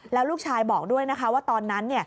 แล้วลูกชายบอกด้วยนะคะว่าตอนนั้น